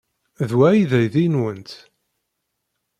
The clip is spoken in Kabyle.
D wa ay d aydi-nwent?